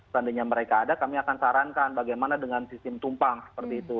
seandainya mereka ada kami akan sarankan bagaimana dengan sistem tumpang seperti itu